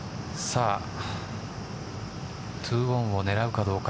２オンを狙うかどうか。